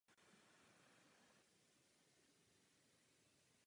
Byl členem Rytířského řádu Božího hrobu jeruzalémského.